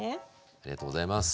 ありがとうございます。